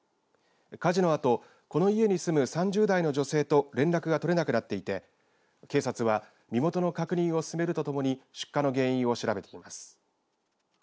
火事のあとこの家に住む３０代の女性と連絡が取れなくなっていて警察は身元の確認を進めるとともに出火の原因を調べています。